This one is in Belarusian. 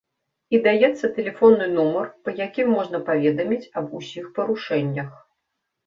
І даецца тэлефонны нумар, па якім можна паведаміць аб усіх парушэннях.